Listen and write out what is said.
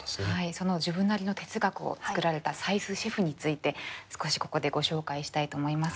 その自分なりの哲学を作られた斉須シェフについて少しここでご紹介したいと思います。